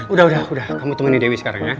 udah udah kamu temenin dewi sekarang ya